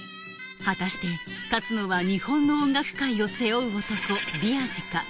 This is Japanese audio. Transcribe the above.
果たして勝つのは日本の音楽会を背負う男備安士か？